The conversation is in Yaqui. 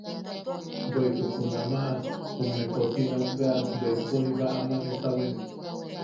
Bweʼituk junamaʼa jume kosineom bea bempo jiba ama nesawen.